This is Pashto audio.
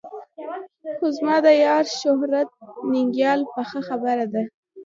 خو زما د یار شهرت ننګیال پخه خبره ده.